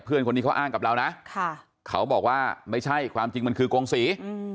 เพื่อนคนนี้เขาอ้างกับเรานะเขาบอกว่าไม่ใช่ความจริงมันคือกงศรี